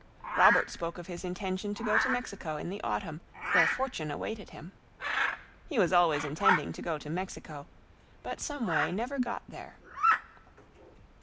Robert spoke of his intention to go to Mexico in the autumn, where fortune awaited him. He was always intending to go to Mexico, but some way never got there.